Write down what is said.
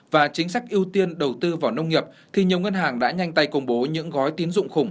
và chính sách ưu tiên đầu tư vào nông nghiệp thì nhiều ngân hàng đã nhanh tay công bố những gói tín dụng khủng